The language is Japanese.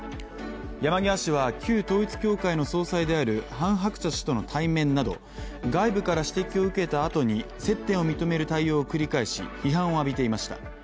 山際氏は、旧統一教会の総裁であるハン・ハクチャ氏との対面など外部から指摘を受けたあとに接点を認める対応を繰り返し批判を浴びていました。